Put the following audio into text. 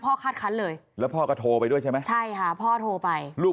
คาดคันเลยแล้วพ่อก็โทรไปด้วยใช่ไหมใช่ค่ะพ่อโทรไปลูก